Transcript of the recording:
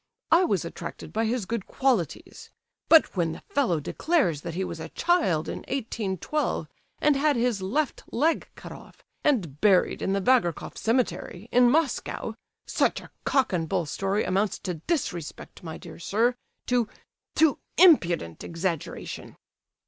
I was attracted by his good qualities; but when the fellow declares that he was a child in 1812, and had his left leg cut off, and buried in the Vagarkoff cemetery, in Moscow, such a cock and bull story amounts to disrespect, my dear sir, to—to impudent exaggeration."